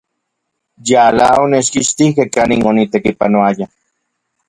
Yala onechkixtikej kanin onitekipanoaya.